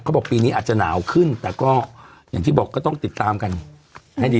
บอกปีนี้อาจจะหนาวขึ้นแต่ก็อย่างที่บอกก็ต้องติดตามกันให้ดี